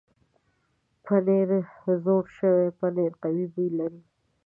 پنېر زوړ شوی پنېر قوي بوی لري.